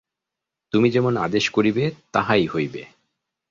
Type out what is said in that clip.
তুমি যেমন আদেশ করিবে, তাহাই হইবে।